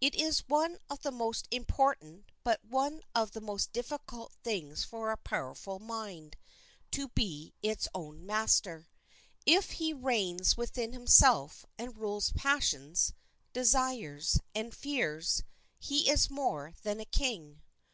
It is one of the most important but one of the most difficult things for a powerful mind to be its own master. If he reigns within himself, and rules passions, desires, and fears, he is more than a king.